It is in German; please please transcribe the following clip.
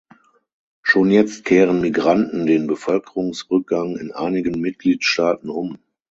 Schon jetzt kehren Migranten den Bevölkerungsrückgang in einigen Mitgliedstaaten um.